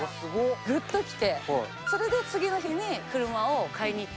ぐっときて、それで次の日に車を買いに行って。